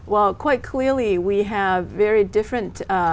chào mừng quý vị đến